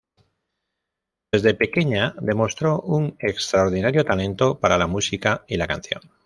Desde pequeña demostró un extraordinario talento para la música y la canción.